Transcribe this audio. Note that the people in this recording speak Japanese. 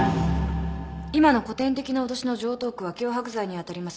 今の古典的な脅しの常套句は脅迫罪にあたります。